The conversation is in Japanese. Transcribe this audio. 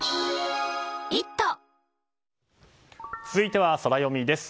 続いては、ソラよみです。